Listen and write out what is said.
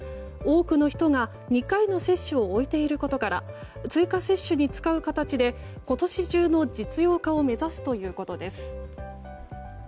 多くの人が２回の接種を終えていることから追加接種に使う形で今年中の実用化を目指すということです。